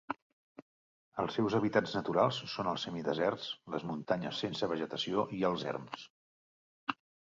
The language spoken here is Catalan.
Els seus hàbitats naturals són els semideserts, les muntanyes sense vegetació i els erms.